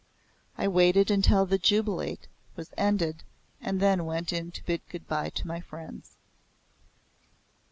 I waited until the Jubilate was ended and then went in to bid good bye to my friends.